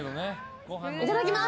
いただきます。